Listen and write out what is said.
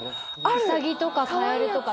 ウサギとかカエルとか。